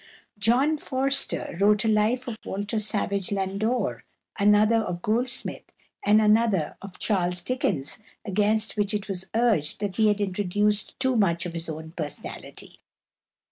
John Forster wrote a Life of Walter Savage Landor, another of Goldsmith, and another of Charles Dickens, against which it was urged that he had introduced too much of his own personality.